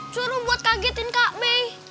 suruh buat kagetin kak me